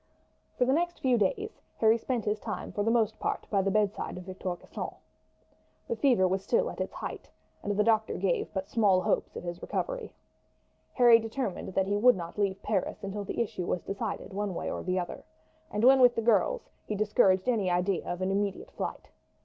For the next few days Harry spent his time for the most part by the bedside of Victor de Gisons. The fever was still at its height, and the doctor gave but small hopes of his recovery. Harry determined that he would not leave Paris until the issue was decided one way or the other, and when with the girls he discouraged any idea of an immediate flight.